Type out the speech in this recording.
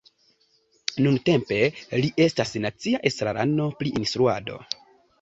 Nuntempe li estas nacia estrarano pri instruado.